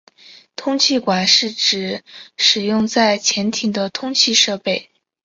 通气管是指使用在潜艇的通气设备。